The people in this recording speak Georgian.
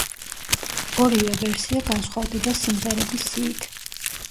ორივე ვერსია განსხვავდება სიმღერების სიით.